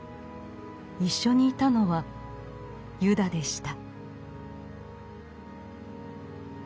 一緒にいたのはユダでした。